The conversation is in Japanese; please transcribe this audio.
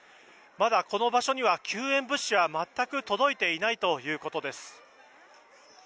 まだこの場所には救援物資は全く届いていないということです。